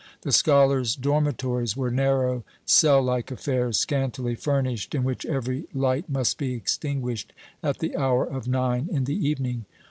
The scholars' dormitories were narrow cell like affairs, scantily furnished, in which every light must be extinguished at the hour of nine in the evening.